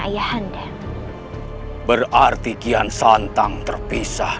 ayah anda berarti kian santang terpisah